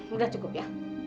udah cukup ya